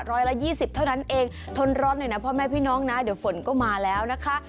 ร้อยละยี่สิบเท่านั้นเองทนร้อนหน่อยนะพ่อแม่พี่น้องนะเดี๋ยวฝนก็มาแล้วนะคะ